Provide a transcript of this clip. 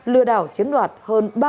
lừa đảo chiếm đoạt tài sản